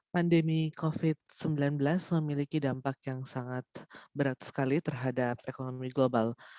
pandemi covid sembilan belas memiliki dampak yang sangat berat sekali terhadap ekonomi global